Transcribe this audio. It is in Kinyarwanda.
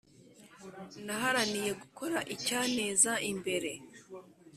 naharaniye gukora icyaneza imbere